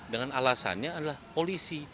dengan alasannya adalah polisi